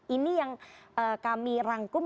ini yang kami rangkum